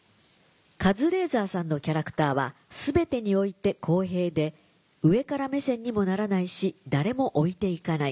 カズレーザーさんのキャラクターは全てにおいて公平で上から目線にもならないし誰も置いていかない。